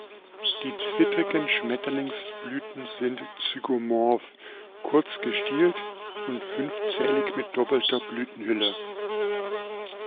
Die zwittrigen Schmetterlingsblüten sind zygomorph, kurz gestielt und fünfzählig mit doppelter Blütenhülle.